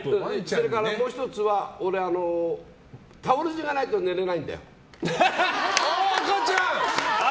それからもう１つはタオル地がないと寝れないんだよ。